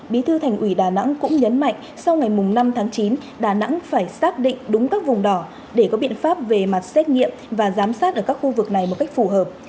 bí thư thành ủy đà nẵng cũng nhấn mạnh sau ngày năm tháng chín đà nẵng phải xác định đúng các vùng đỏ để có biện pháp về mặt xét nghiệm và giám sát ở các khu vực này một cách phù hợp